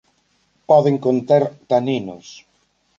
Poden conter taninos.